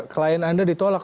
klien anda ditolak